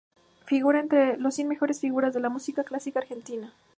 Figura entre ""Las cien mejores figuras de la musica clásica Argentina"".